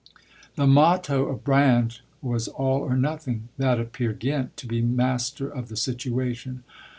The motto of Brand was 'all or nothing'; that of Peer Gynt 'to be master of the situation.'